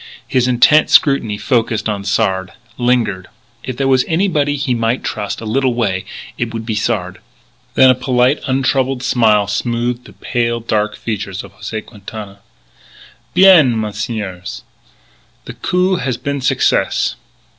His intent scrutiny focussed on Sard; lingered. If there were anybody he might trust, a little way, it would be Sard. Then a polite, untroubled smile smoothed the pale, dark features of José Quintana: "Bien, messieurs, the coup has been success.